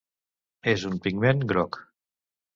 És un pigment groc.